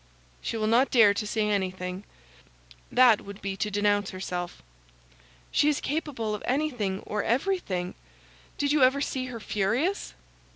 "She will not dare to say anything; that would be to denounce herself." "She is capable of anything or everything. Did you ever see her furious?"